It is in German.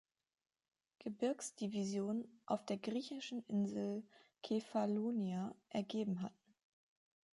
Gebirgs-Division auf der griechischen Insel Kefalonia ergeben hatten.